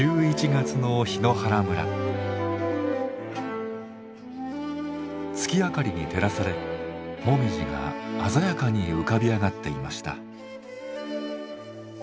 月明かりに照らされもみじが鮮やかに浮かび上がっていました。